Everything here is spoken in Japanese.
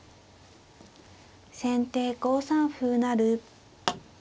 先手５三歩成。